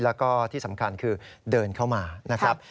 แล้วก็ที่สำคัญคือเดินเข้ามานะครับ